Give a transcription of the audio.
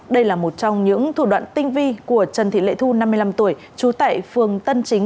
đây là một trong những thủ đoạn tinh vi của trần thị lệ thu năm mươi năm tuổi trú tại phường tân chính